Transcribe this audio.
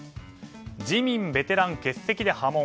自民ベテラン欠席で波紋。